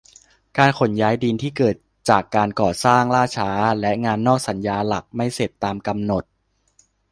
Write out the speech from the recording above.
การขนย้ายดินที่เกิดจากการก่อสร้างล่าช้า และ งานนอกสัญญาหลักไม่เสร็จตามกำหนด